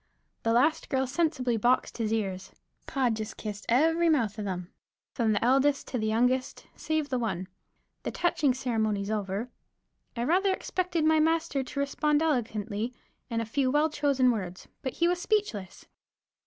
The last girl sensibly boxed his ears. Pod just kissed every mouth of them, from the eldest to the youngest, save the one. The touching ceremonies over, I rather expected my master to respond eloquently in a few well chosen words, but he was speechless.